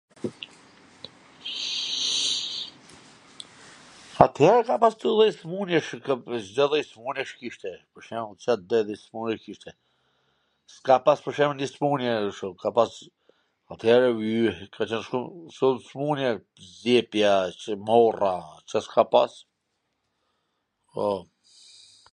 at-here ka pas lloj lloj smun-je, Cdo lloj smun-jesh kishte, ... ka pas pwr shemull nj smun-je.... athere ka qwn shum smun-je, zgjebja, morra, Ca s ka pas, po....